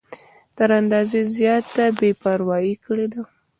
تر اندازې زیاته بې پروايي کړې ده.